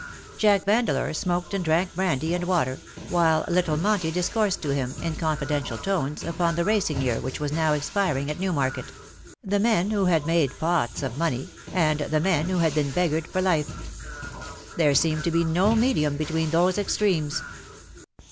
Jack Vandeleur smoked and drank brandy and water, while little Monty discoursed to him, in confi dential tones, upon the racing year which was now expiring at Newmarket — ^the men who had made pots of money, and the men who had been beggared for life. There seemed to be no medium between those extremes.